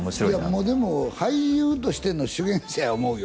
もうでも俳優としての修験者や思うよ